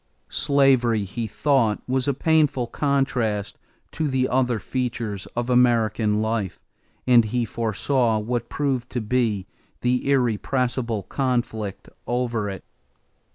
Slavery he thought was a painful contrast to the other features of American life, and he foresaw what proved to be the irrepressible conflict over it.